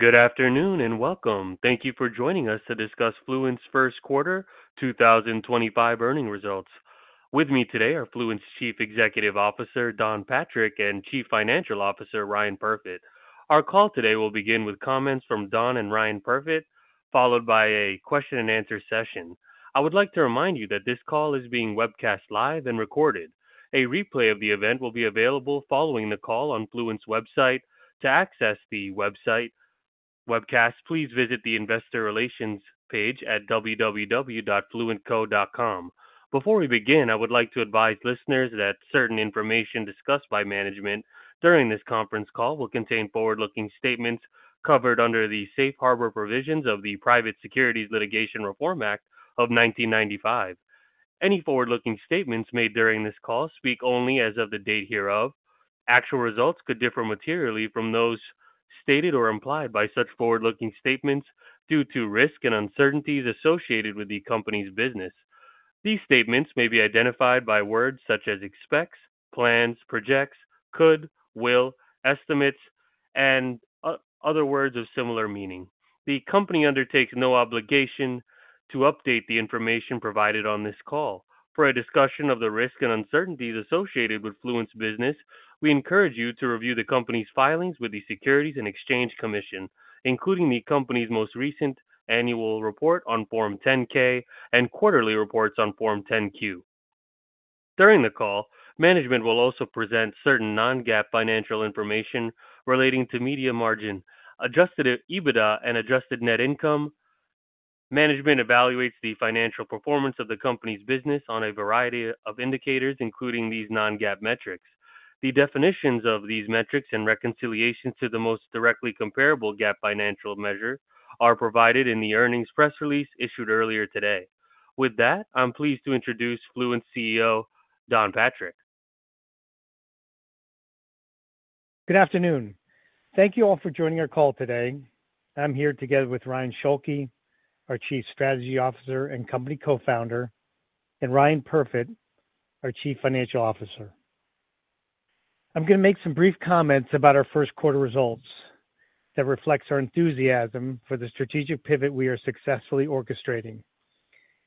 Good afternoon and welcome. Thank you for joining us to discuss Fluent's first quarter 2025 earning results. With me today are Fluent's Chief Executive Officer, Don Patrick, and Chief Financial Officer, Ryan Perfit. Our call today will begin with comments from Don and Ryan Perfit, followed by a question-and-answer session. I would like to remind you that this call is being webcast live and recorded. A replay of the event will be available following the call on Fluent's website. To access the webcast, please visit the Investor Relations page at www.fluentco.com. Before we begin, I would like to advise listeners that certain information discussed by management during this conference call will contain forward-looking statements covered under the safe harbor provisions of the Private Securities Litigation Reform Act of 1995. Any forward-looking statements made during this call speak only as of the date hereof. Actual results could differ materially from those stated or implied by such forward-looking statements due to risk and uncertainties associated with the company's business. These statements may be identified by words such as expects, plans, projects, could, will, estimates, and other words of similar meaning. The company undertakes no obligation to update the information provided on this call. For a discussion of the risk and uncertainties associated with Fluent's business, we encourage you to review the company's filings with the Securities and Exchange Commission, including the company's most recent annual report on Form 10-K and quarterly reports on Form 10-Q. During the call, management will also present certain non-GAAP financial information relating to media margin, adjusted EBITDA, and adjusted net income. Management evaluates the financial performance of the company's business on a variety of indicators, including these non-GAAP metrics. The definitions of these metrics and reconciliations to the most directly comparable GAAP financial measure are provided in the earnings press release issued earlier today. With that, I'm pleased to introduce Fluent's CEO, Don Patrick. Good afternoon. Thank you all for joining our call today. I'm here together with Ryan Schulke, our Chief Strategy Officer and company co-founder, and Ryan Perfit, our Chief Financial Officer. I'm going to make some brief comments about our first quarter results that reflect our enthusiasm for the strategic pivot we are successfully orchestrating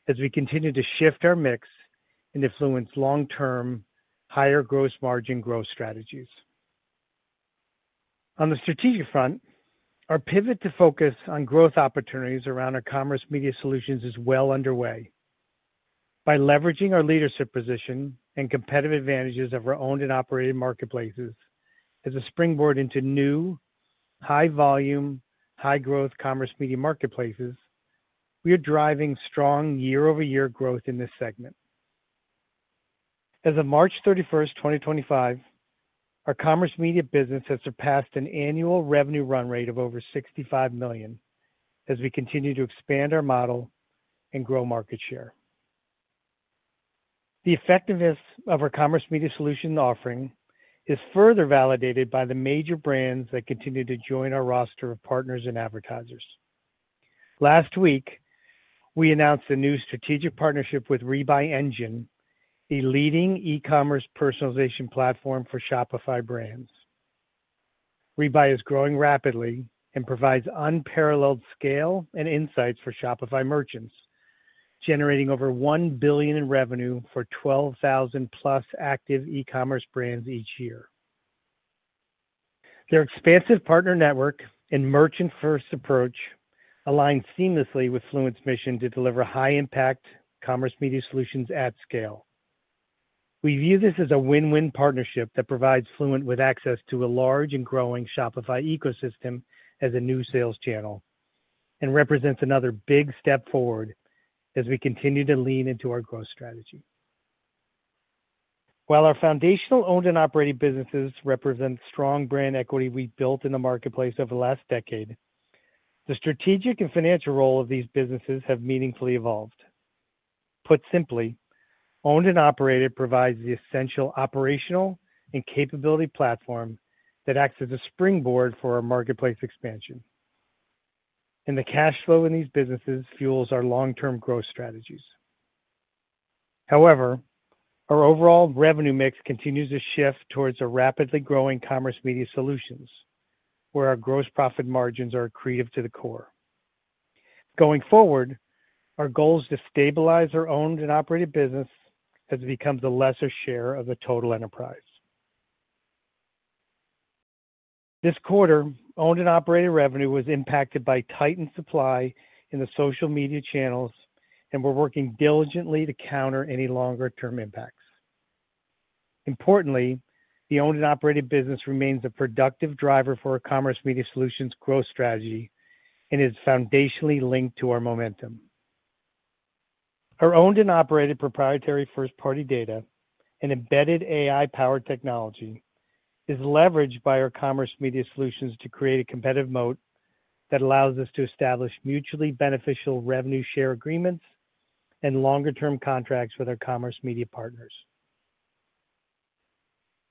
as we continue to shift our mix into Fluent's long-term higher gross margin growth strategies. On the strategic front, our pivot to focus on growth opportunities around our commerce media solutions is well underway. By leveraging our leadership position and competitive advantages of our owned and operated marketplaces as a springboard into new, high-volume, high-growth commerce media marketplaces, we are driving strong year-over-year growth in this segment. As of March 31, 2025, our commerce media business has surpassed an annual revenue run rate of over $65 million as we continue to expand our model and grow market share. The effectiveness of our commerce media solution offering is further validated by the major brands that continue to join our roster of partners and advertisers. Last week, we announced a new strategic partnership with Rebuy Engine, a leading e-commerce personalization platform for Shopify brands. Rebuy is growing rapidly and provides unparalleled scale and insights for Shopify merchants, generating over $1 billion in revenue for 12,000-plus active e-commerce brands each year. Their expansive partner network and merchant-first approach align seamlessly with Fluent's mission to deliver high-impact commerce media solutions at scale. We view this as a win-win partnership that provides Fluent with access to a large and growing Shopify ecosystem as a new sales channel and represents another big step forward as we continue to lean into our growth strategy. While our foundational owned and operated businesses represent strong brand equity we've built in the marketplace over the last decade, the strategic and financial role of these businesses have meaningfully evolved. Put simply, owned and operated provides the essential operational and capability platform that acts as a springboard for our marketplace expansion, and the cash flow in these businesses fuels our long-term growth strategies. However, our overall revenue mix continues to shift towards rapidly growing commerce media solutions, where our gross profit margins are accretive to the core. Going forward, our goal is to stabilize our owned and operated business as it becomes a lesser share of the total enterprise. This quarter, owned and operated revenue was impacted by tightened supply in the social media channels, and we're working diligently to counter any longer-term impacts. Importantly, the owned and operated business remains a productive driver for our commerce media solutions growth strategy and is foundationally linked to our momentum. Our owned and operated proprietary first-party data and embedded AI-powered technology is leveraged by our commerce media solutions to create a competitive moat that allows us to establish mutually beneficial revenue share agreements and longer-term contracts with our commerce media partners.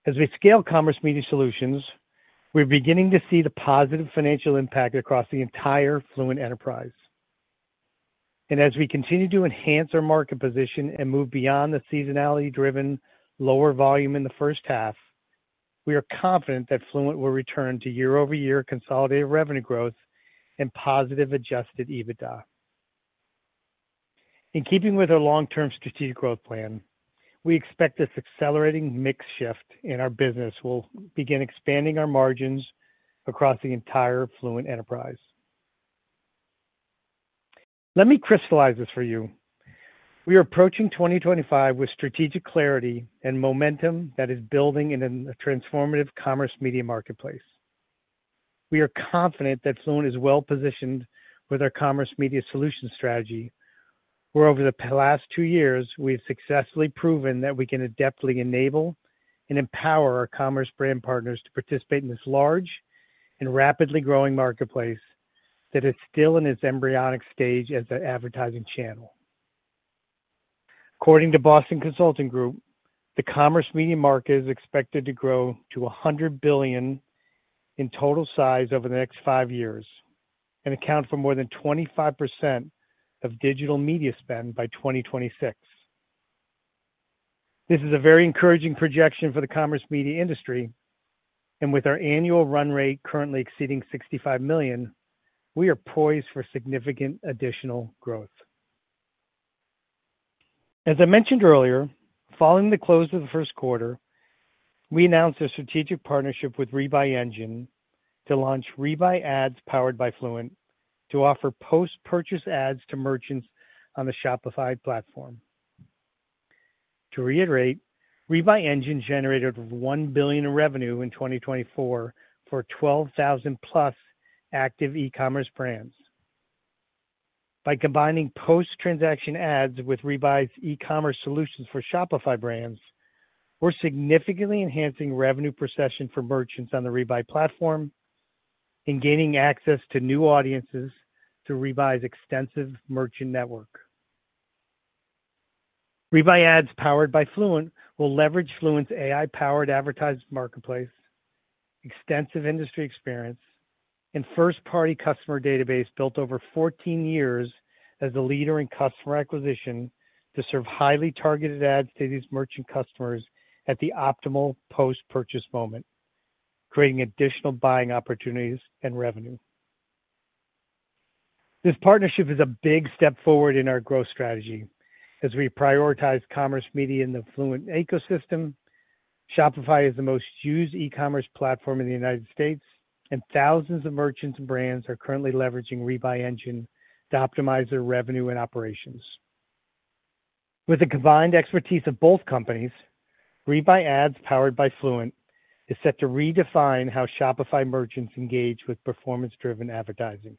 As we scale commerce media solutions, we're beginning to see the positive financial impact across the entire Fluent enterprise. As we continue to enhance our market position and move beyond the seasonality-driven lower volume in the first half, we are confident that Fluent will return to year-over-year consolidated revenue growth and positive adjusted EBITDA. In keeping with our long-term strategic growth plan, we expect this accelerating mix shift in our business will begin expanding our margins across the entire Fluent enterprise. Let me crystallize this for you. We are approaching 2025 with strategic clarity and momentum that is building in a transformative commerce media marketplace. We are confident that Fluent is well-positioned with our commerce media solution strategy, where over the past two years, we have successfully proven that we can adeptly enable and empower our commerce brand partners to participate in this large and rapidly growing marketplace that is still in its embryonic stage as an advertising channel. According to Boston Consulting Group, the commerce media market is expected to grow to $100 billion in total size over the next five years and account for more than 25% of digital media spend by 2026. This is a very encouraging projection for the commerce media industry, and with our annual run rate currently exceeding $65 million, we are poised for significant additional growth. As I mentioned earlier, following the close of the first quarter, we announced a strategic partnership with Rebuy Engine to launch Rebuy Ads powered by Fluent to offer post-purchase ads to merchants on the Shopify platform. To reiterate, Rebuy Engine generated $1 billion in revenue in 2024 for 12,000-plus active e-commerce brands. By combining post-transaction ads with Rebuy's e-commerce solutions for Shopify brands, we're significantly enhancing revenue procession for merchants on the Rebuy platform and gaining access to new audiences through Rebuy's extensive merchant network. Rebuy Ads powered by Fluent will leverage Fluent's AI-powered advertising marketplace, extensive industry experience, and first-party customer database built over 14 years as a leader in customer acquisition to serve highly targeted ads to these merchant customers at the optimal post-purchase moment, creating additional buying opportunities and revenue. This partnership is a big step forward in our growth strategy. As we prioritize commerce media in the Fluent ecosystem, Shopify is the most used e-commerce platform in the United States, and thousands of merchants and brands are currently leveraging Rebuy Engine to optimize their revenue and operations. With the combined expertise of both companies, Rebuy Ads powered by Fluent is set to redefine how Shopify merchants engage with performance-driven advertising.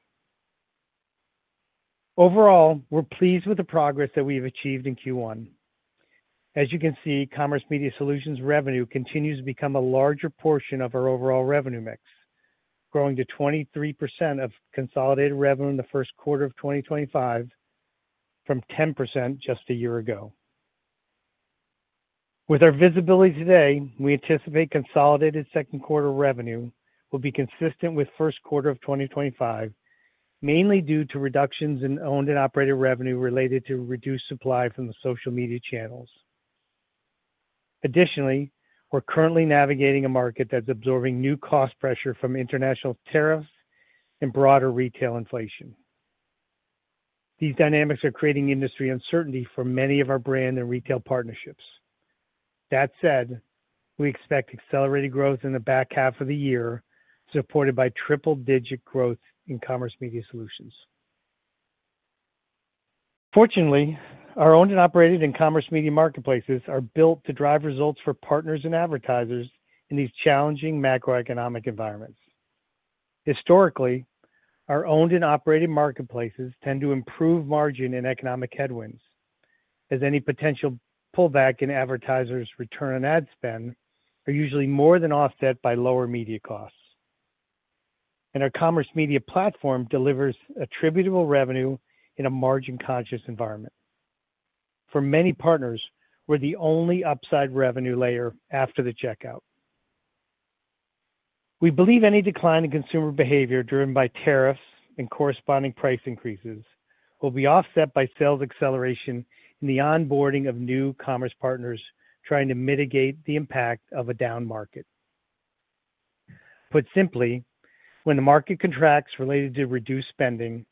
Overall, we're pleased with the progress that we have achieved in Q1. As you can see, commerce media solutions revenue continues to become a larger portion of our overall revenue mix, growing to 23% of consolidated revenue in the first quarter of 2025 from 10% just a year ago. With our visibility today, we anticipate consolidated second-quarter revenue will be consistent with first quarter of 2025, mainly due to reductions in owned and operated revenue related to reduced supply from the social media channels. Additionally, we're currently navigating a market that's absorbing new cost pressure from international tariffs and broader retail inflation. These dynamics are creating industry uncertainty for many of our brand and retail partnerships. That said, we expect accelerated growth in the back half of the year, supported by triple-digit growth in commerce media solutions. Fortunately, our owned and operated commerce media marketplaces are built to drive results for partners and advertisers in these challenging macroeconomic environments. Historically, our owned and operated marketplaces tend to improve margin in economic headwinds, as any potential pullback in advertisers' return on ad spend is usually more than offset by lower media costs. Our commerce media platform delivers attributable revenue in a margin-conscious environment. For many partners, we're the only upside revenue layer after the checkout. We believe any decline in consumer behavior driven by tariffs and corresponding price increases will be offset by sales acceleration in the onboarding of new commerce partners trying to mitigate the impact of a down market. Put simply, when the market contracts related to reduced spending,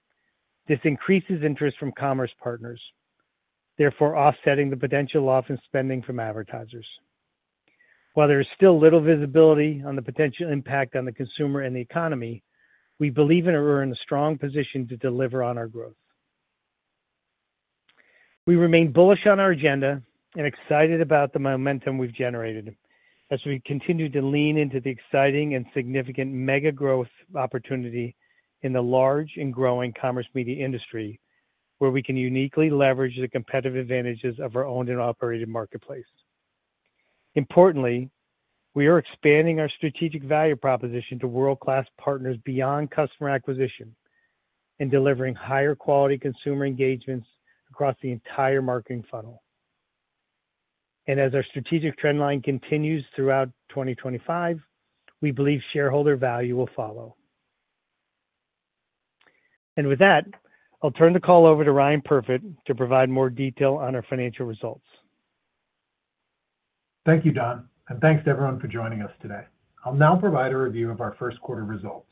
this increases interest from commerce partners, therefore offsetting the potential loss in spending from advertisers. While there is still little visibility on the potential impact on the consumer and the economy, we believe in our strong position to deliver on our growth. We remain bullish on our agenda and excited about the momentum we've generated as we continue to lean into the exciting and significant mega growth opportunity in the large and growing commerce media industry, where we can uniquely leverage the competitive advantages of our owned and operated marketplace. Importantly, we are expanding our strategic value proposition to world-class partners beyond customer acquisition and delivering higher-quality consumer engagements across the entire marketing funnel. As our strategic trend line continues throughout 2025, we believe shareholder value will follow. With that, I'll turn the call over to Ryan Perfit to provide more detail on our financial results. Thank you, Don. Thanks to everyone for joining us today. I'll now provide a review of our first quarter results.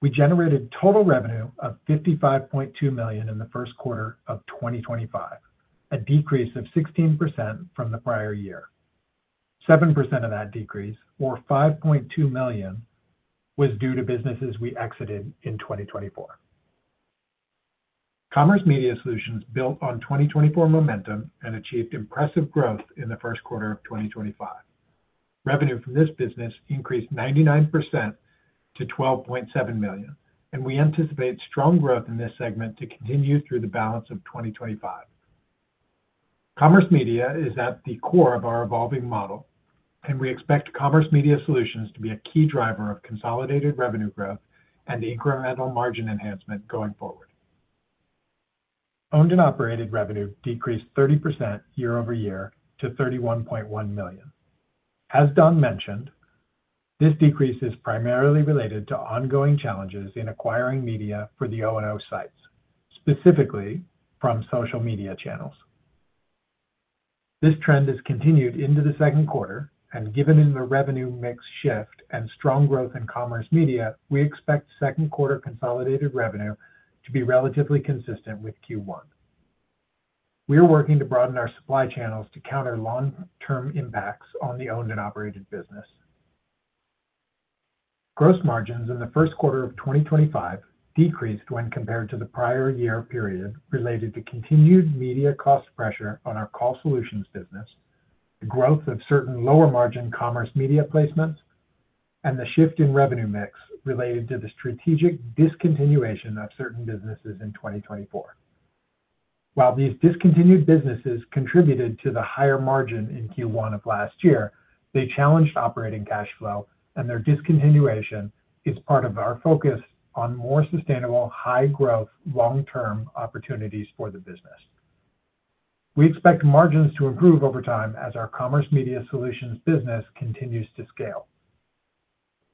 We generated total revenue of $55.2 million in the first quarter of 2025, a decrease of 16% from the prior year. 7% of that decrease, or $5.2 million, was due to businesses we exited in 2024. Commerce media solutions built on 2024 momentum and achieved impressive growth in the first quarter of 2025. Revenue from this business increased 99% to $12.7 million, and we anticipate strong growth in this segment to continue through the balance of 2025. Commerce media is at the core of our evolving model, and we expect commerce media solutions to be a key driver of consolidated revenue growth and incremental margin enhancement going forward. Owned and operated revenue decreased 30% year-over-year to $31.1 million. As Don mentioned, this decrease is primarily related to ongoing challenges in acquiring media for the O&O sites, specifically from social media channels. This trend has continued into the second quarter, and given the revenue mix shift and strong growth in commerce media, we expect second-quarter consolidated revenue to be relatively consistent with Q1. We are working to broaden our supply channels to counter long-term impacts on the owned and operated business. Gross margins in the first quarter of 2025 decreased when compared to the prior year period related to continued media cost pressure on our Call Solutions business, the growth of certain lower-margin commerce media placements, and the shift in revenue mix related to the strategic discontinuation of certain businesses in 2024. While these discontinued businesses contributed to the higher margin in Q1 of last year, they challenged operating cash flow, and their discontinuation is part of our focus on more sustainable, high-growth, long-term opportunities for the business. We expect margins to improve over time as our commerce media solutions business continues to scale.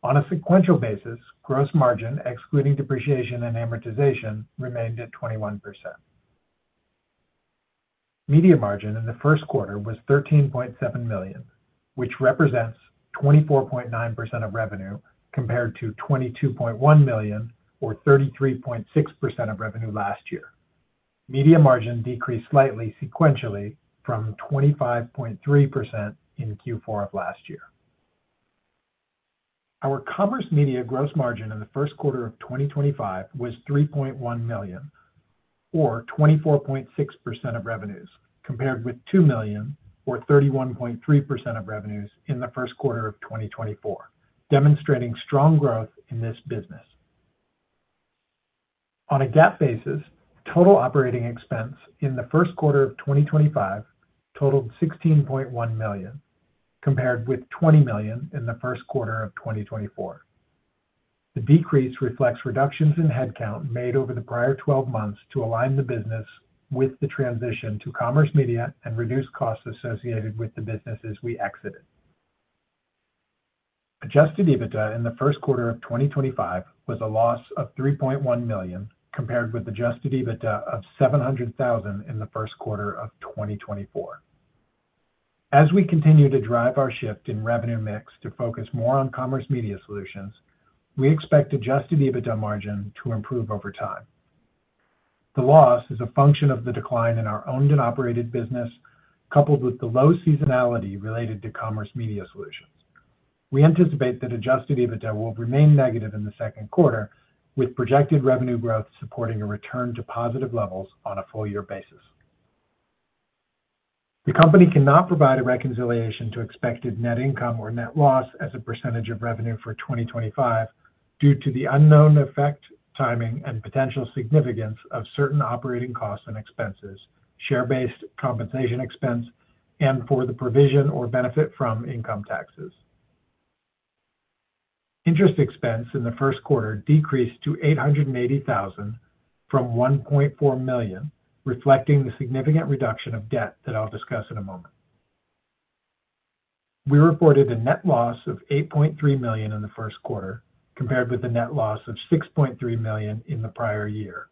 On a sequential basis, gross margin, excluding depreciation and amortization, remained at 21%. Media margin in the first quarter was $13.7 million, which represents 24.9% of revenue compared to $22.1 million, or 33.6% of revenue last year. Media margin decreased slightly sequentially from 25.3% in Q4 of last year. Our commerce media gross margin in the first quarter of 2025 was $3.1 million, or 24.6% of revenues, compared with $2 million, or 31.3% of revenues in the first quarter of 2024, demonstrating strong growth in this business. On a GAAP basis, total operating expense in the first quarter of 2025 totaled $16.1 million, compared with $20 million in the first quarter of 2024. The decrease reflects reductions in headcount made over the prior 12 months to align the business with the transition to commerce media and reduced costs associated with the businesses we exited. Adjusted EBITDA in the first quarter of 2025 was a loss of $3.1 million, compared with adjusted EBITDA of $700,000 in the first quarter of 2024. As we continue to drive our shift in revenue mix to focus more on commerce media solutions, we expect adjusted EBITDA margin to improve over time. The loss is a function of the decline in our owned and operated business, coupled with the low seasonality related to commerce media solutions. We anticipate that adjusted EBITDA will remain negative in the second quarter, with projected revenue growth supporting a return to positive levels on a full-year basis. The company cannot provide a reconciliation to expected net income or net loss as a percentage of revenue for 2025 due to the unknown effect, timing, and potential significance of certain operating costs and expenses, share-based compensation expense, and for the provision or benefit from income taxes. Interest expense in the first quarter decreased to $880,000 from $1.4 million, reflecting the significant reduction of debt that I'll discuss in a moment. We reported a net loss of $8.3 million in the first quarter, compared with a net loss of $6.3 million in the prior year,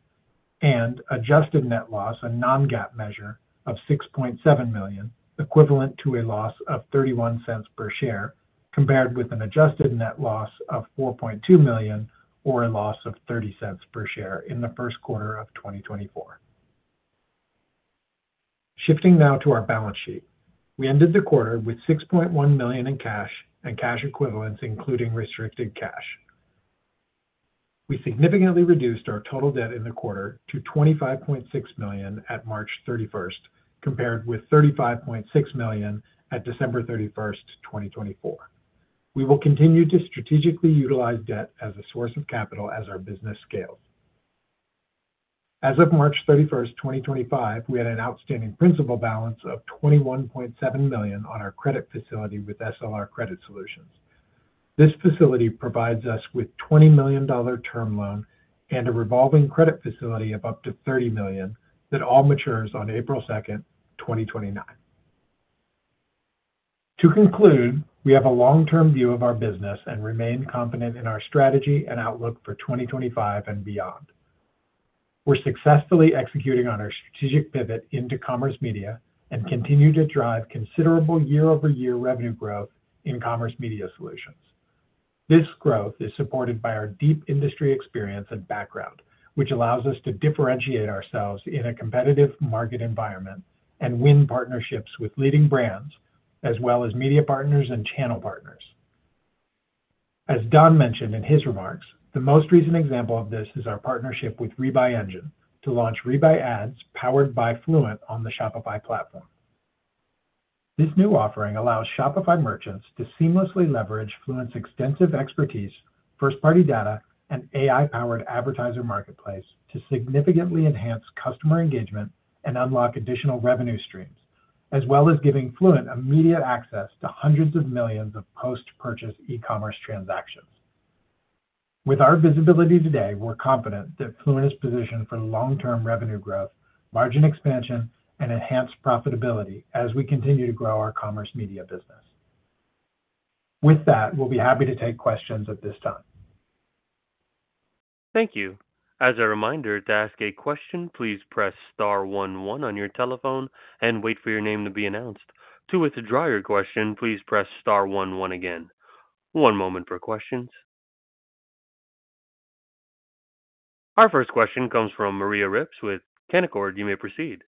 and adjusted net loss, a non-GAAP measure, of $6.7 million, equivalent to a loss of $0.31 per share, compared with an adjusted net loss of $4.2 million, or a loss of $0.30 per share in the first quarter of 2024. Shifting now to our balance sheet, we ended the quarter with $6.1 million in cash and cash equivalents, including restricted cash. We significantly reduced our total debt in the quarter to $25.6 million at March 31, compared with $35.6 million at December 31, 2024. We will continue to strategically utilize debt as a source of capital as our business scales. As of March 31, 2025, we had an outstanding principal balance of $21.7 million on our credit facility with SLR Credit Solutions. This facility provides us with a $20 million term loan and a revolving credit facility of up to $30 million that all matures on April 2, 2029. To conclude, we have a long-term view of our business and remain confident in our strategy and outlook for 2025 and beyond. We're successfully executing on our strategic pivot into commerce media and continue to drive considerable year-over-year revenue growth in commerce media solutions. This growth is supported by our deep industry experience and background, which allows us to differentiate ourselves in a competitive market environment and win partnerships with leading brands, as well as media partners and channel partners. As Don mentioned in his remarks, the most recent example of this is our partnership with Rebuy Engine to launch Rebuy Ads powered by Fluent on the Shopify platform. This new offering allows Shopify merchants to seamlessly leverage Fluent's extensive expertise, first-party data, and AI-powered advertiser marketplace to significantly enhance customer engagement and unlock additional revenue streams, as well as giving Fluent immediate access to hundreds of millions of post-purchase e-commerce transactions. With our visibility today, we're confident that Fluent is positioned for long-term revenue growth, margin expansion, and enhanced profitability as we continue to grow our commerce media business. With that, we'll be happy to take questions at this time. Thank you. As a reminder, to ask a question, please press star one one on your telephone and wait for your name to be announced. To withdraw your question, please press star one one again. One moment for questions. Our first question comes from Maria Ripps with Canaccord. You may proceed.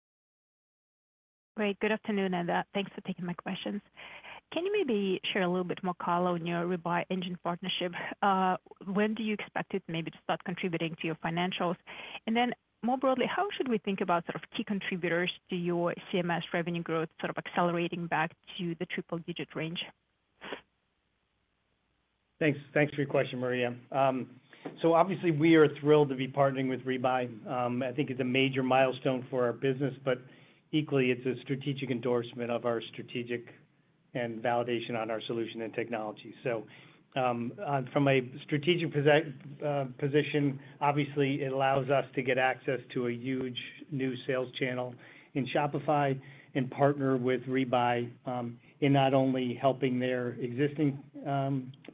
Great. Good afternoon, and thanks for taking my questions. Can you maybe share a little bit more,, on your Rebuy Engine partnership? When do you expect it maybe to start contributing to your financials? Then more broadly, how should we think about sort of key contributors to your CMS revenue growth sort of accelerating back to the triple-digit range? Thanks. Thanks for your question, Maria. Obviously, we are thrilled to be partnering with Rebuy. I think it's a major milestone for our business, but equally, it's a strategic endorsement and validation on our solution and technology. From a strategic position, it allows us to get access to a huge new sales channel in Shopify and partner with Rebuy in not only helping their existing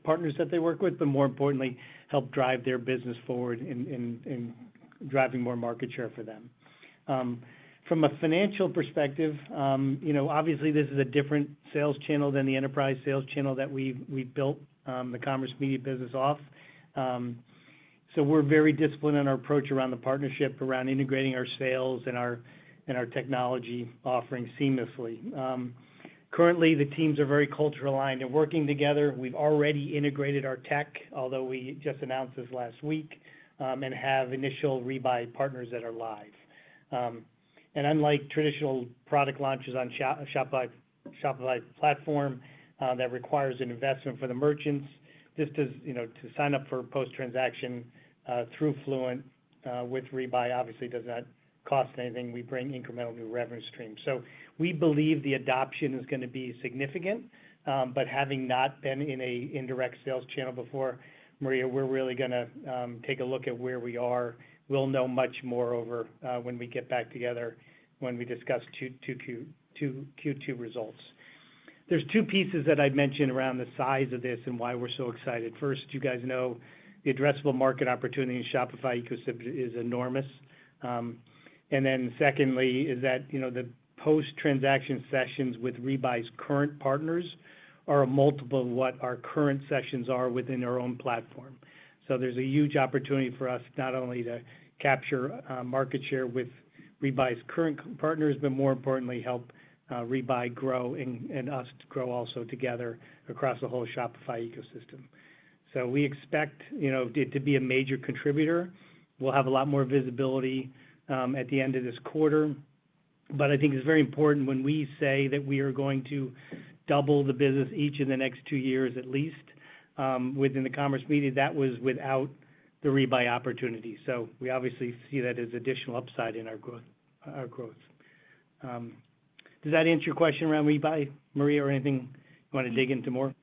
partners that they work with, but more importantly, help drive their business forward in driving more market share for them. From a financial perspective, this is a different sales channel than the enterprise sales channel that we've built the commerce media business off. We are very disciplined in our approach around the partnership, around integrating our sales and our technology offering seamlessly. Currently, the teams are very culturally aligned and working together. We've already integrated our tech, although we just announced this last week, and have initial Rebuy partners that are live. Unlike traditional product launches on the Shopify platform that requires an investment for the merchants, just to sign up for post-transaction through Fluent with Rebuy, obviously, does not cost anything. We bring incremental new revenue streams. We believe the adoption is going to be significant. Having not been in an indirect sales channel before, Maria, we're really going to take a look at where we are. We'll know much more when we get back together when we discuss Q2 results. There's two pieces that I'd mention around the size of this and why we're so excited. First, you guys know the addressable market opportunity in Shopify ecosystem is enormous. Secondly, the post-transaction sessions with Rebuy's current partners are a multiple of what our current sessions are within our own platform. There is a huge opportunity for us not only to capture market share with Rebuy's current partners, but more importantly, help Rebuy grow and us grow also together across the whole Shopify ecosystem. We expect it to be a major contributor. We will have a lot more visibility at the end of this quarter. I think it is very important when we say that we are going to double the business each of the next two years at least within the commerce media, that was without the Rebuy opportunity. We obviously see that as additional upside in our growth. Does that answer your question around Rebuy, Maria, or anything you want to dig into more?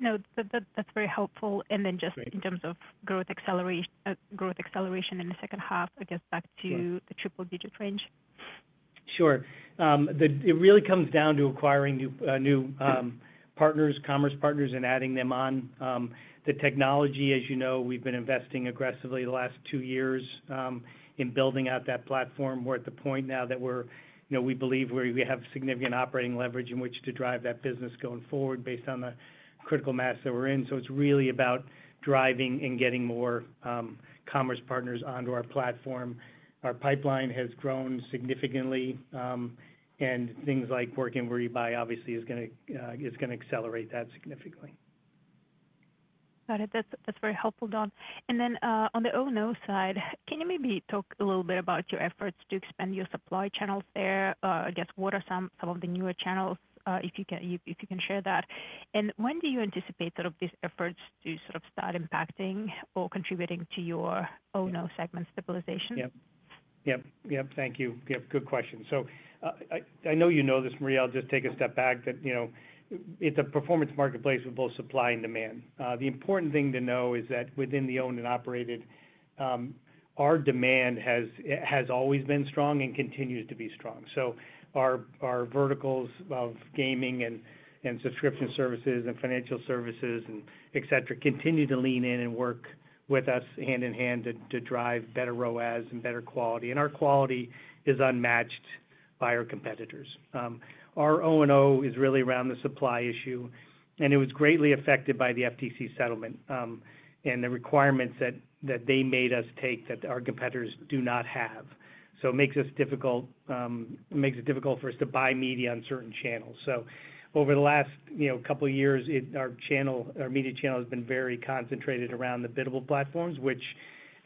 No, that's very helpful. Then just in terms of growth acceleration in the second half, I guess back to the triple-digit range? Sure. It really comes down to acquiring new partners, commerce partners, and adding them on. The technology, as you know, we've been investing aggressively the last two years in building out that platform. We're at the point now that we believe we have significant operating leverage in which to drive that business going forward based on the critical mass that we're in. It is really about driving and getting more commerce partners onto our platform. Our pipeline has grown significantly, and things like working with Rebuy, obviously, is going to accelerate that significantly. Got it. That's very helpful, Don. On the O&O side, can you maybe talk a little bit about your efforts to expand your supply channels there? I guess, what are some of the newer channels if you can share that? When do you anticipate sort of these efforts to sort of start impacting or contributing to your O&O segment stabilization? Yep. Yep. Yep. Thank you. Yep. Good question. I know you know this, Maria. I'll just take a step back. It's a performance marketplace with both supply and demand. The important thing to know is that within the owned and operated, our demand has always been strong and continues to be strong. Our verticals of gaming and subscription services and financial services, etc., continue to lean in and work with us hand in hand to drive better ROAS and better quality. Our quality is unmatched by our competitors. Our O&O is really around the supply issue, and it was greatly affected by the FTC settlement and the requirements that they made us take that our competitors do not have. It makes it difficult for us to buy media on certain channels. Over the last couple of years, our media channel has been very concentrated around the biddable platforms, which,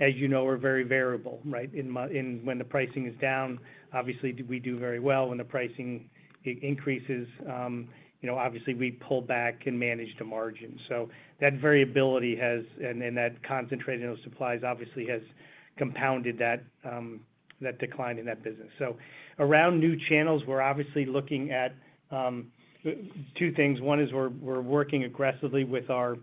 as you know, are very variable, right? When the pricing is down, obviously, we do very well. When the pricing increases, obviously, we pull back and manage the margin. That variability and that concentration of supplies obviously has compounded that decline in that business. Around new channels, we're obviously looking at two things. One is we're working aggressively with our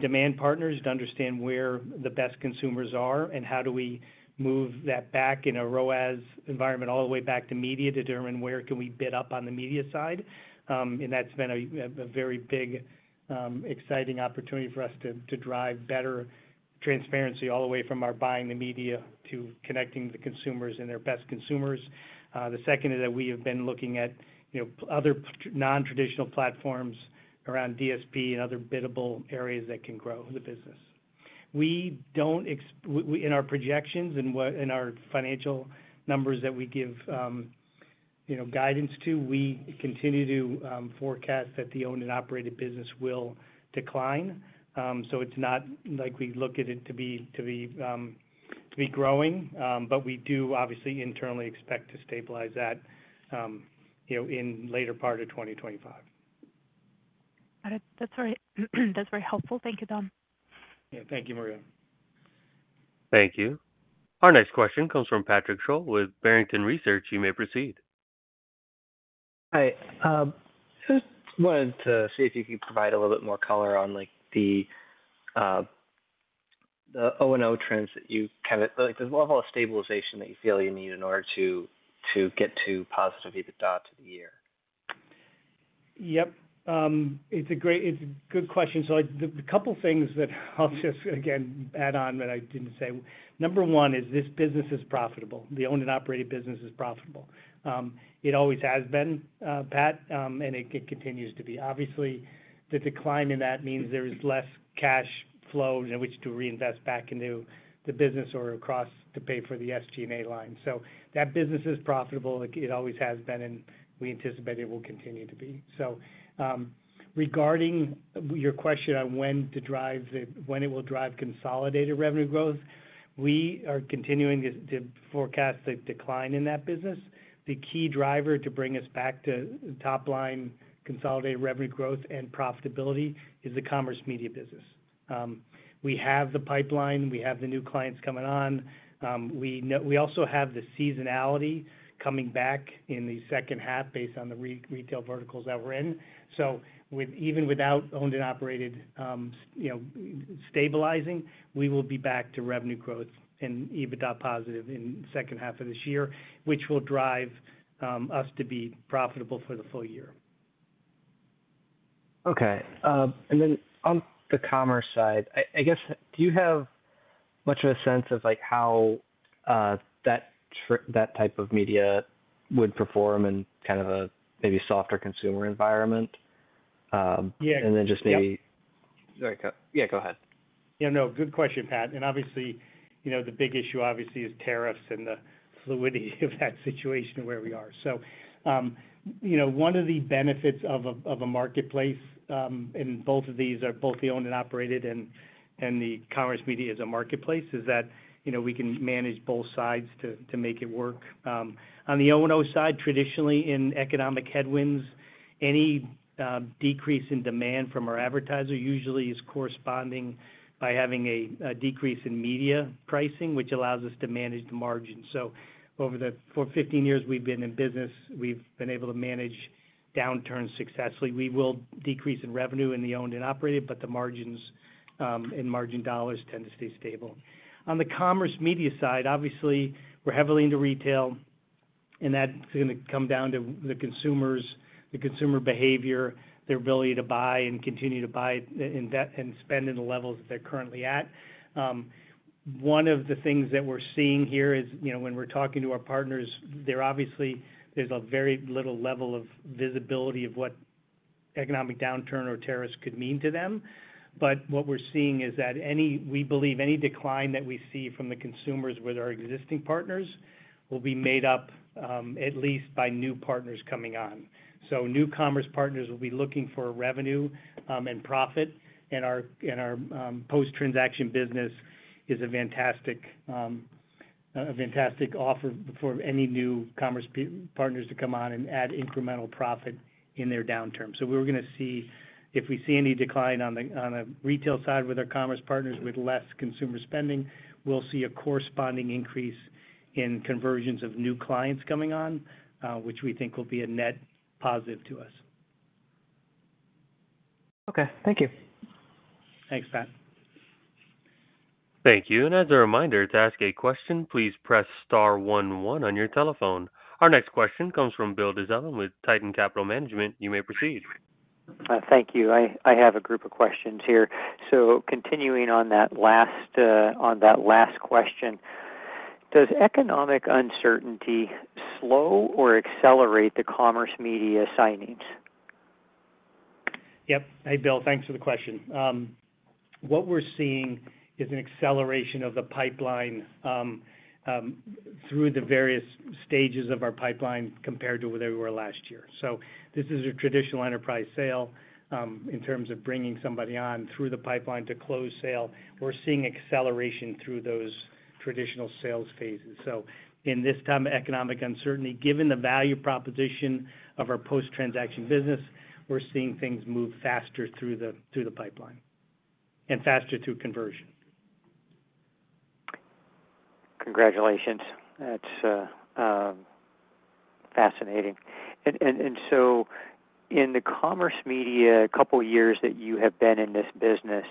demand partners to understand where the best consumers are and how do we move that back in a ROAS environment all the way back to media to determine where can we bid up on the media side. That has been a very big, exciting opportunity for us to drive better transparency all the way from our buying the media to connecting the consumers and their best consumers. The second is that we have been looking at other non-traditional platforms around DSP and other biddable areas that can grow the business. In our projections and in our financial numbers that we give guidance to, we continue to forecast that the owned and operated business will decline. It is not like we look at it to be growing, but we do, obviously, internally expect to stabilize that in the later part of 2025. Got it. That's very helpful. Thank you, Don. Yeah. Thank you, Maria. Thank you. Our next question comes from Patrick Scholl with Barrington Research. You may proceed. Hi. I just wanted to see if you could provide a little bit more color on the O&O trends that you kind of the level of stabilization that you feel you need in order to get to positive EBITDA to the year. Yep. It's a good question. The couple of things that I'll just, again, add on that I didn't say. Number one is this business is profitable. The owned and operated business is profitable. It always has been, Pat, and it continues to be. Obviously, the decline in that means there is less cash flow in which to reinvest back into the business or across to pay for the SG&A line. That business is profitable. It always has been, and we anticipate it will continue to be. Regarding your question on when it will drive consolidated revenue growth, we are continuing to forecast the decline in that business. The key driver to bring us back to top-line consolidated revenue growth and profitability is the commerce media business. We have the pipeline. We have the new clients coming on. We also have the seasonality coming back in the second half based on the retail verticals that we're in. Even without owned and operated stabilizing, we will be back to revenue growth and EBITDA positive in the second half of this year, which will drive us to be profitable for the full year. Okay. On the commerce side, I guess, do you have much of a sense of how that type of media would perform in kind of a maybe softer consumer environment? Just maybe. Yeah. Sorry. Yeah, go ahead. Yeah. No. Good question, Pat. Obviously, the big issue is tariffs and the fluidity of that situation where we are. One of the benefits of a marketplace in both of these, both the owned and operated and the commerce media as a marketplace, is that we can manage both sides to make it work. On the O&O side, traditionally, in economic headwinds, any decrease in demand from our advertiser usually is corresponding by having a decrease in media pricing, which allows us to manage the margin. Over the 15 years we have been in business, we have been able to manage downturns successfully. We will decrease in revenue in the owned and operated, but the margins and margin dollars tend to stay stable. On the commerce media side, obviously, we're heavily into retail, and that's going to come down to the consumer behavior, their ability to buy and continue to buy and spend in the levels that they're currently at. One of the things that we're seeing here is when we're talking to our partners, there obviously is a very little level of visibility of what economic downturn or tariffs could mean to them. What we're seeing is that we believe any decline that we see from the consumers with our existing partners will be made up at least by new partners coming on. New commerce partners will be looking for revenue and profit, and our post-transaction business is a fantastic offer for any new commerce partners to come on and add incremental profit in their downturn. We're going to see if we see any decline on the retail side with our commerce partners with less consumer spending, we'll see a corresponding increase in conversions of new clients coming on, which we think will be a net positive to us. Okay. Thank you. Thanks, Pat. Thank you. As a reminder, to ask a question, please press star one one on your telephone. Our next question comes from Bill D'Sullivan with Titan Capital Management. You may proceed. Thank you. I have a group of questions here. Continuing on that last question, does economic uncertainty slow or accelerate the commerce media signings? Yep. Hey, Bill. Thanks for the question. What we're seeing is an acceleration of the pipeline through the various stages of our pipeline compared to where they were last year. This is a traditional enterprise sale in terms of bringing somebody on through the pipeline to close sale. We're seeing acceleration through those traditional sales phases. In this time of economic uncertainty, given the value proposition of our post-transaction business, we're seeing things move faster through the pipeline and faster through conversion. Congratulations. That's fascinating. In the commerce media couple of years that you have been in this business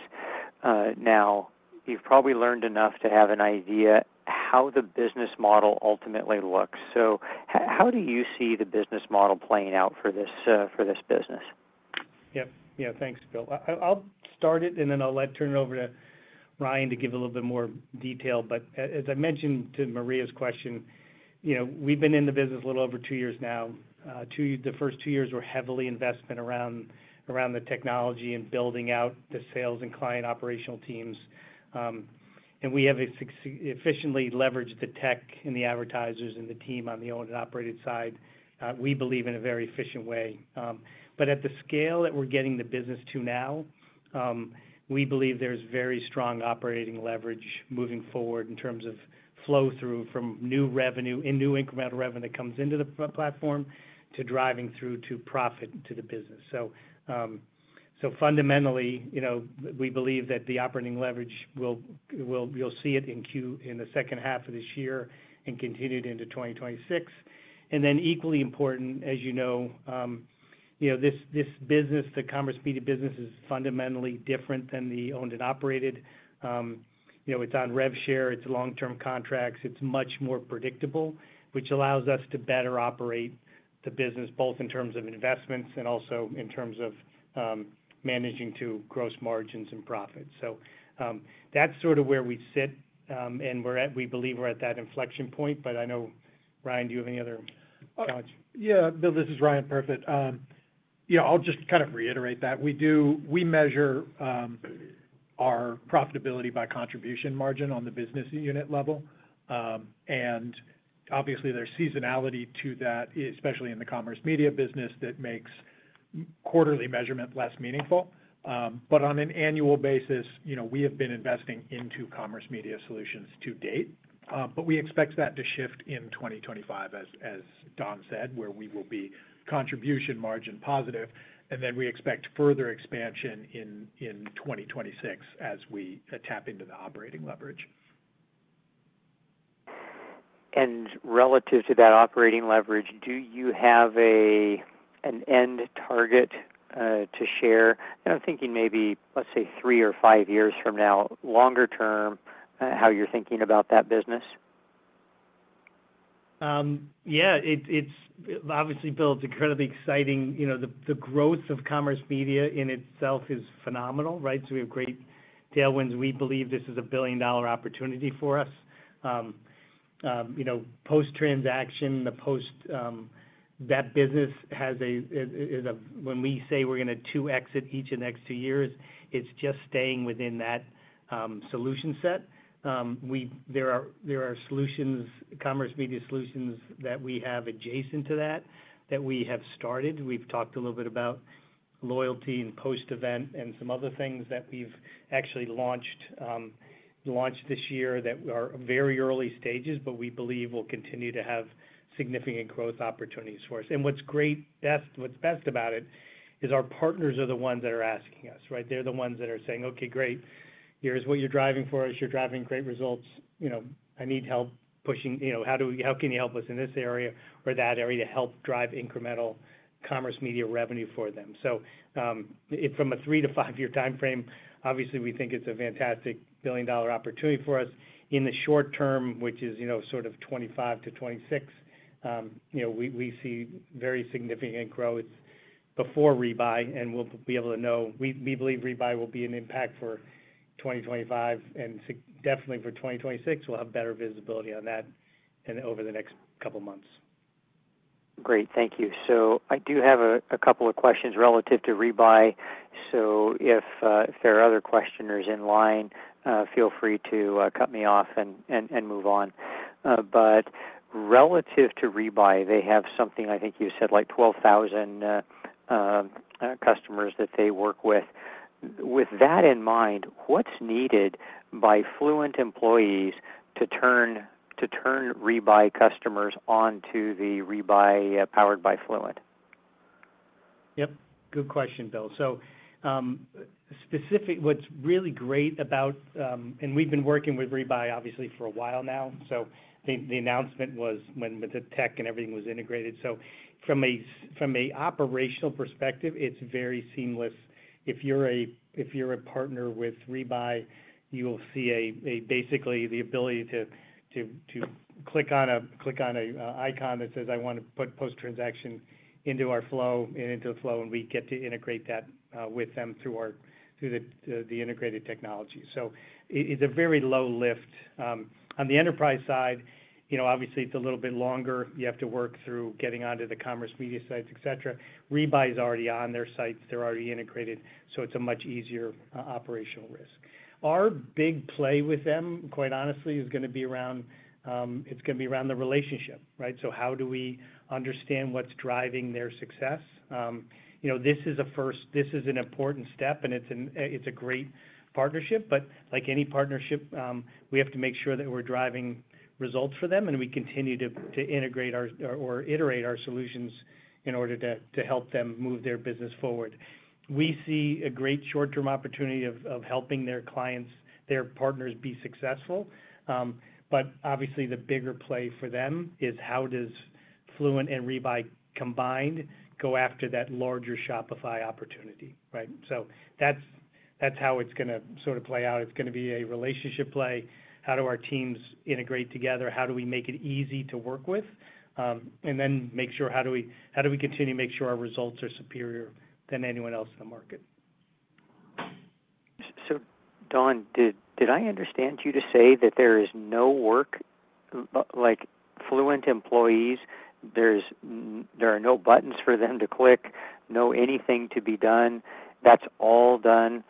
now, you've probably learned enough to have an idea how the business model ultimately looks. How do you see the business model playing out for this business? Yep. Yeah. Thanks, Bill. I'll start it, and then I'll turn it over to Ryan to give a little bit more detail. As I mentioned to Maria's question, we've been in the business a little over two years now. The first two years were heavily investment around the technology and building out the sales and client operational teams. We have efficiently leveraged the tech and the advertisers and the team on the owned and operated side. We believe in a very efficient way. At the scale that we're getting the business to now, we believe there's very strong operating leverage moving forward in terms of flow through from new revenue and new incremental revenue that comes into the platform to driving through to profit to the business. Fundamentally, we believe that the operating leverage will—you'll see it in the second half of this year and continue into 2026. Equally important, as you know, this business, the commerce media business, is fundamentally different than the owned and operated. It's on rev share. It's long-term contracts. It's much more predictable, which allows us to better operate the business both in terms of investments and also in terms of managing to gross margins and profits. That's sort of where we sit, and we believe we're at that inflection point. I know, Ryan, do you have any other comments? Yeah. Bill, this is Ryan Perfit. I'll just kind of reiterate that. We measure our profitability by contribution margin on the business unit level. Obviously, there's seasonality to that, especially in the commerce media business, that makes quarterly measurement less meaningful. On an annual basis, we have been investing into commerce media solutions to date. We expect that to shift in 2025, as Don said, where we will be contribution margin positive. We expect further expansion in 2026 as we tap into the operating leverage. Relative to that operating leverage, do you have an end target to share? I'm thinking maybe, let's say, three or five years from now, longer term, how you're thinking about that business. Yeah. Obviously, Bill, it's incredibly exciting. The growth of commerce media in itself is phenomenal, right? We have great tailwinds. We believe this is a billion-dollar opportunity for us. Post-transaction, the post—that business has a—when we say we're going to two-exit each of the next two years, it's just staying within that solution set. There are commerce media solutions that we have adjacent to that that we have started. We've talked a little bit about loyalty and post-event and some other things that we've actually launched this year that are very early stages, but we believe will continue to have significant growth opportunities for us. What's great, what's best about it is our partners are the ones that are asking us, right? They're the ones that are saying, "Okay, great. Here's what you're driving for us. You're driving great results. I need help pushing. How can you help us in this area or that area to help drive incremental commerce media revenue for them? From a three to five-year time frame, obviously, we think it is a fantastic billion-dollar opportunity for us. In the short term, which is sort of 2025 to 2026, we see very significant growth before Rebuy, and we will be able to know. We believe Rebuy will be an impact for 2025, and definitely for 2026, we will have better visibility on that over the next couple of months. Great. Thank you. I do have a couple of questions relative to Rebuy. If there are other questioners in line, feel free to cut me off and move on. Relative to Rebuy, they have something, I think you said, like 12,000 customers that they work with. With that in mind, what's needed by Fluent employees to turn Rebuy customers onto the Rebuy powered by Fluent? Yep. Good question, Bill. Specifically, what's really great about—and we've been working with Rebuy, obviously, for a while now. The announcement was when the tech and everything was integrated. From an operational perspective, it's very seamless. If you're a partner with Rebuy, you'll see basically the ability to click on an icon that says, "I want to put post-transaction into our flow and into the flow," and we get to integrate that with them through the integrated technology. It's a very low lift. On the enterprise side, obviously, it's a little bit longer. You have to work through getting onto the commerce media sites, etc. Rebuy is already on their sites. They're already integrated. It's a much easier operational risk. Our big play with them, quite honestly, is going to be around—it's going to be around the relationship, right? How do we understand what's driving their success? This is a first. This is an important step, and it's a great partnership. Like any partnership, we have to make sure that we're driving results for them, and we continue to integrate or iterate our solutions in order to help them move their business forward. We see a great short-term opportunity of helping their clients, their partners be successful. Obviously, the bigger play for them is how does Fluent and Rebuy combined go after that larger Shopify opportunity, right? That's how it's going to sort of play out. It's going to be a relationship play. How do our teams integrate together? How do we make it easy to work with? Then make sure how do we continue to make sure our results are superior than anyone else in the market? Don, did I understand you to say that there is no work? Fluent employees, there are no buttons for them to click, no anything to be done. That's all done,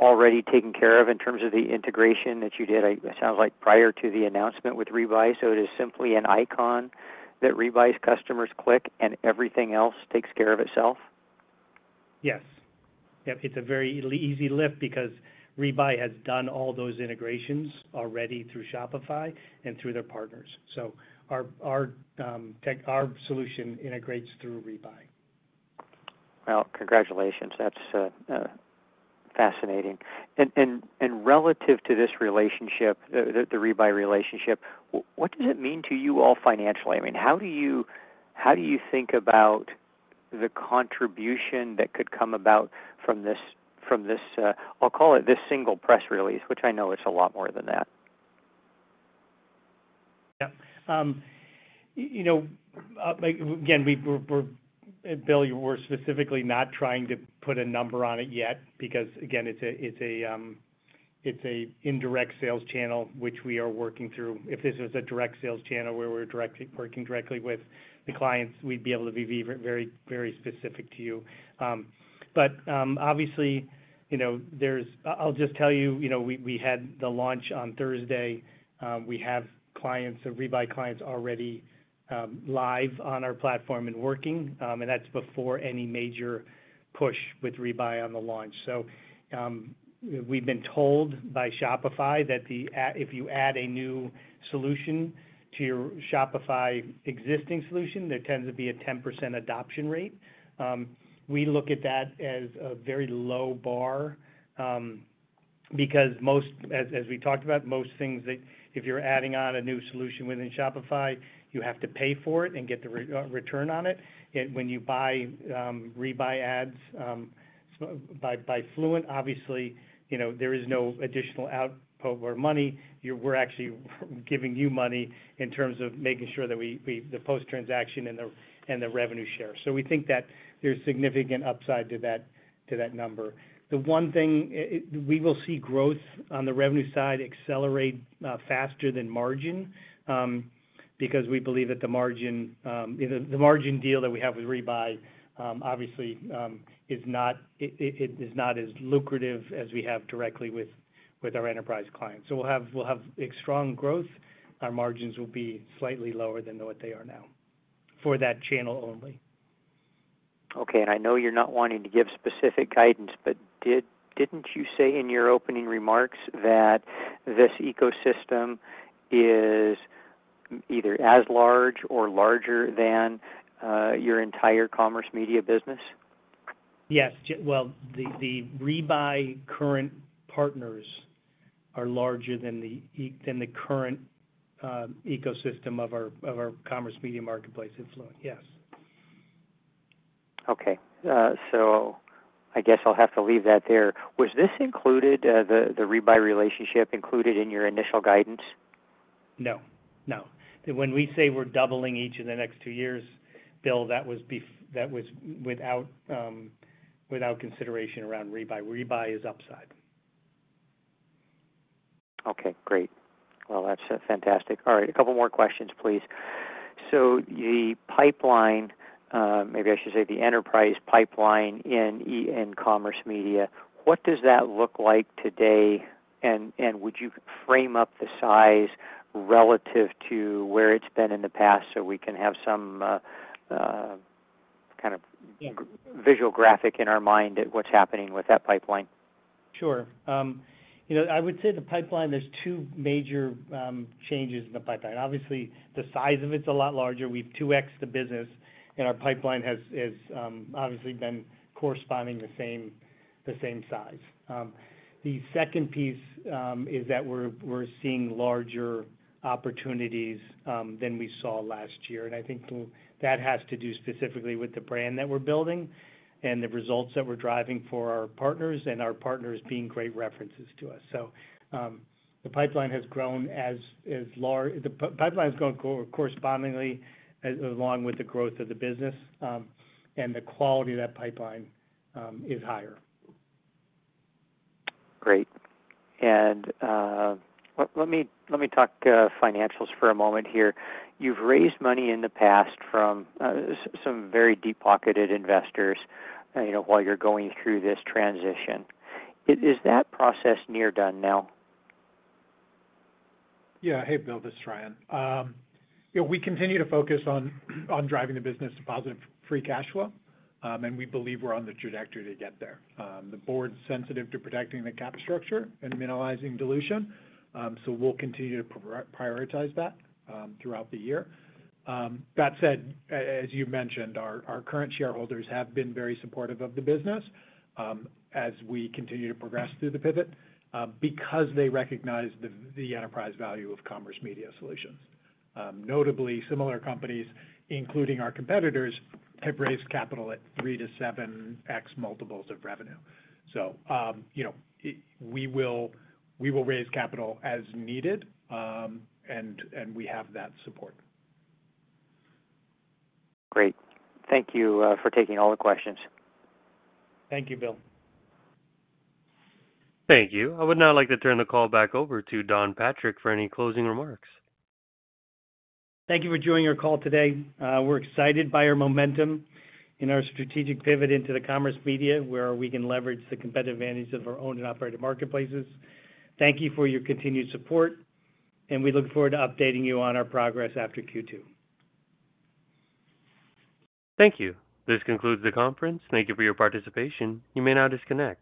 already taken care of in terms of the integration that you did, it sounds like, prior to the announcement with Rebuy. It is simply an icon that Rebuy's customers click, and everything else takes care of itself? Yes. Yep. It's a very easy lift because Rebuy has done all those integrations already through Shopify and through their partners. So our solution integrates through Rebuy. Congratulations. That's fascinating. And relative to this relationship, the Rebuy relationship, what does it mean to you all financially? I mean, how do you think about the contribution that could come about from this, I'll call it this single press release, which I know it's a lot more than that? Yep. Again, Bill, we're specifically not trying to put a number on it yet because, again, it's an indirect sales channel, which we are working through. If this was a direct sales channel where we're working directly with the clients, we'd be able to be very specific to you. Obviously, I'll just tell you, we had the launch on Thursday. We have Rebuy clients already live on our platform and working. That's before any major push with Rebuy on the launch. We've been told by Shopify that if you add a new solution to your Shopify existing solution, there tends to be a 10% adoption rate. We look at that as a very low bar because, as we talked about, most things that if you're adding on a new solution within Shopify, you have to pay for it and get the return on it. When you buy Rebuy Ads powered by Fluent, obviously, there is no additional output or money. We're actually giving you money in terms of making sure that the post-transaction and the revenue share. We think that there's significant upside to that number. The one thing we will see is growth on the revenue side accelerate faster than margin because we believe that the margin deal that we have with Rebuy, obviously, is not as lucrative as we have directly with our enterprise clients. We will have strong growth. Our margins will be slightly lower than what they are now for that channel only. Okay. I know you're not wanting to give specific guidance, but didn't you say in your opening remarks that this ecosystem is either as large or larger than your entire commerce media business? Yes. The Rebuy current partners are larger than the current ecosystem of our commerce media marketplace at Fluent. Yes. Okay. So I guess I'll have to leave that there. Was this included, the Rebuy relationship, included in your initial guidance? No. No. When we say we're doubling each of the next two years, Bill, that was without consideration around Rebuy. Rebuy is upside. Okay. Great. That's fantastic. All right. A couple more questions, please. The pipeline, maybe I should say the enterprise pipeline in commerce media, what does that look like today? Would you frame up the size relative to where it's been in the past so we can have some kind of visual graphic in our mind at what's happening with that pipeline? Sure. I would say the pipeline, there's two major changes in the pipeline. Obviously, the size of it's a lot larger. We've two-exed the business, and our pipeline has obviously been corresponding the same size. The second piece is that we're seeing larger opportunities than we saw last year. I think that has to do specifically with the brand that we're building and the results that we're driving for our partners and our partners being great references to us. The pipeline has grown as the pipeline has grown correspondingly along with the growth of the business, and the quality of that pipeline is higher. Great. Let me talk financials for a moment here. You've raised money in the past from some very deep-pocketed investors while you're going through this transition. Is that process near done now? Yeah. Hey, Bill. This is Ryan. We continue to focus on driving the business to positive free cash flow, and we believe we're on the trajectory to get there. The board's sensitive to protecting the cap structure and minimizing dilution. We'll continue to prioritize that throughout the year. That said, as you mentioned, our current shareholders have been very supportive of the business as we continue to progress through the pivot because they recognize the enterprise value of commerce media solutions. Notably, similar companies, including our competitors, have raised capital at 3-7X multiples of revenue. We will raise capital as needed, and we have that support. Great. Thank you for taking all the questions. Thank you, Bill. Thank you. I would now like to turn the call back over to Don Patrick for any closing remarks. Thank you for joining our call today. We're excited by our momentum in our strategic pivot into the commerce media where we can leverage the competitive advantage of our owned and operated marketplaces. Thank you for your continued support, and we look forward to updating you on our progress after Q2. Thank you. This concludes the conference. Thank you for your participation. You may now disconnect.